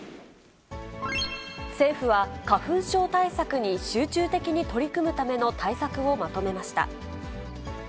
政府は花粉症対策に集中的に取り組むための対策をまとめました。